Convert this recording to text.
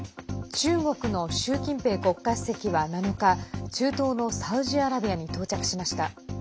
中国の習近平国家主席は７日中東のサウジアラビアに到着しました。